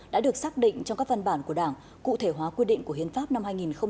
đã được xác định trong các văn bản của đảng cụ thể hóa quy định của hiến pháp năm hai nghìn một mươi ba